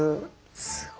すごい。